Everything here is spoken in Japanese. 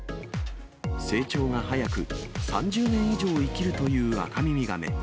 成長が速く、３０年以上生きるというアカミミガメ。